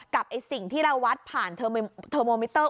กับสิ่งที่เราวัดผ่านเทอร์โมมิเตอร์